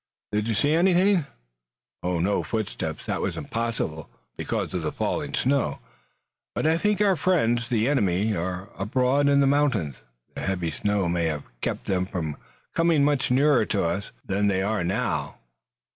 "Did you see anything?" "No footsteps. That was impossible, because of the falling snow, but I think our friends, the enemy, are abroad in the mountains. The heavy snow may have kept them from coming much nearer to us than they are now."